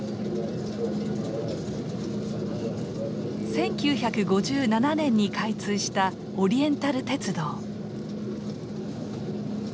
１９５７年に開通したオリエンタル鉄道。